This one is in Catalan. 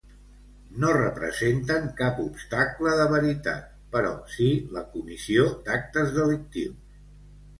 No representen cap obstacle de veritat però sí la comissió d'actes delictius.